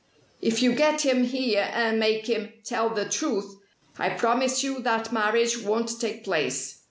If you get him here and make him tell the truth, I promise you that marriage won't take place."